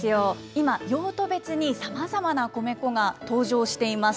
今、用途別に、さまざまな米粉が登場しています。